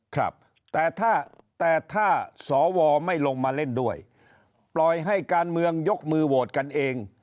ครับแต่ถ้าแต่ถ้าสวไม่ลงมาเล่นด้วยปล่อยให้การเมืองยกมือโหวตกันเอง